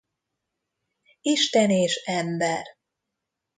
Isten és ember.